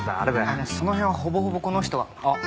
その辺はほぼほぼこの人があっ！